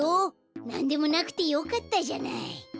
なんでもなくてよかったじゃない。